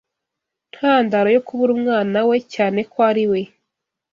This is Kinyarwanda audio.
ntandaro yo kubura k’umwana we cyane ko ari we